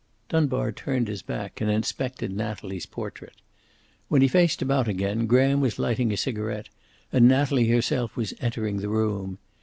Dunbar turned his back and inspected Natalie's portrait. When he faced about again Graham was lighting a cigaret, and Natalie herself was entering the room.